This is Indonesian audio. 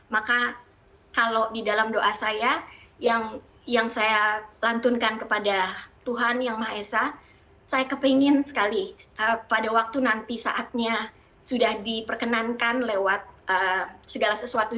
maka kalau di dalam doa saya yang saya lantunkan kepada tuhan yang maha esa saya kepingin sekali pada waktu nanti saatnya sudah diperkenankan lewat segala sesuatu